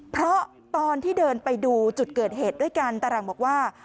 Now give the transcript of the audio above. เพราะตอนที่เดินไปดูจุดเกิดเหตุด้วยกันตาหลังบอกว่า